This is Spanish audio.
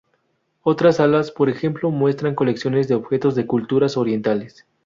Otras salas, por ejemplo, muestran colecciones de objetos de culturas orientales.